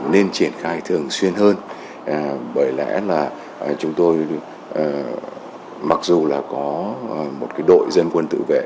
nên triển khai thường xuyên hơn bởi lẽ là chúng tôi mặc dù là có một đội dân quân tự vệ